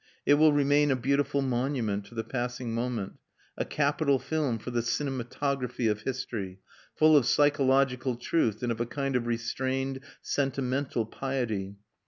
It will remain a beautiful monument to the passing moment, a capital film for the cinematography of history, full of psychological truth and of a kind of restrained sentimental piety.